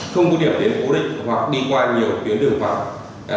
không có điểm tiến cố định hoặc đi qua nhiều tuyến đường vòng